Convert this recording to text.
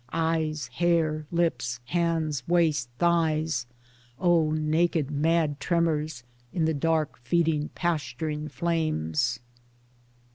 Eyes, hair, lips, hands, waist, thighs — O naked mad tremors ; in the dark feeding pasturing flames